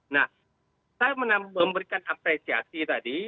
nah saya memberikan apresiasi tadi